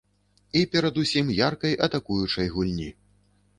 І перадусім яркай атакуючай гульні.